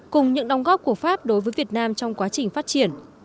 cùng những đồng góp của pháp đối với việt nam trong quá trình phát triển